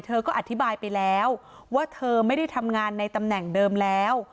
เธอก็อธิบายไปแล้วว่าเธอไม่ได้ทำงานในตำแหน่งเดิมแล้ว